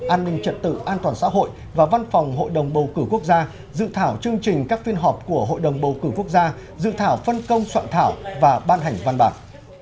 an ninh trật tự an toàn xã hội và văn phòng hội đồng bầu cử quốc gia dự thảo chương trình các phiên họp của hội đồng bầu cử quốc gia dự thảo phân công soạn thảo và ban hành văn bản